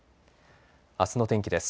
あすの天気です。